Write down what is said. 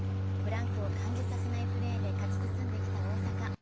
ブランクを感じさせないプレーで勝ち進んできた大坂。